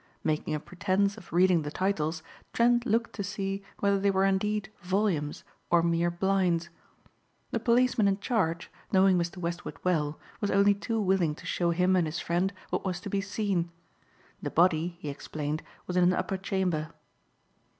Making a pretense of reading the titles Trent looked to see whether they were indeed volumes or mere blinds. The policeman in charge, knowing Mr. Westward well, was only too willing to show him and his friend what was to be seen. The body, he explained, was in an upper chamber.